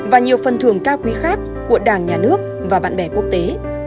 và nhiều phần thưởng cao quý khác của đảng nhà nước và bạn bè quốc tế